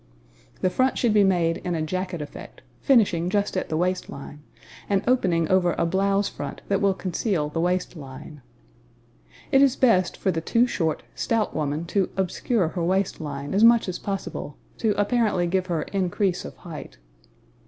The front should be made in a jacket effect, finishing just at the waist line and opening over a blouse front that will conceal the waist line. It is best for the too short, stout woman to obscure her waist line as much as possible, to apparently give her increase of height.